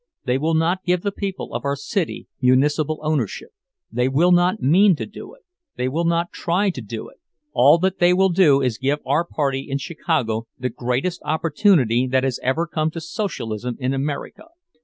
They will not give the people of our city municipal ownership—they will not mean to do it, they will not try to do it; all that they will do is give our party in Chicago the greatest opportunity that has ever come to Socialism in America!